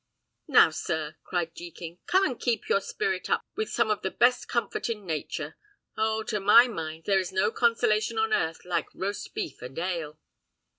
"Now, sir," cried Jekin, "come and keep your spirit up with some of the best comfort in nature. Oh! to my mind, there is no consolation on earth like roast beef and ale."